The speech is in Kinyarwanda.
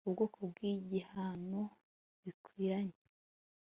ubwoko bw'igihano bikwiranye